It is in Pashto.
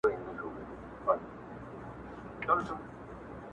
باید حاکمیت د الله تعالی وي